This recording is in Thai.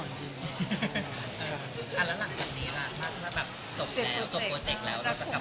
เนี้ยหละ